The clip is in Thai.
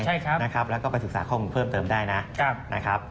ใช่ครับนะครับแล้วก็ไปศึกษาข้อมูลเพิ่มเติมได้นะครับ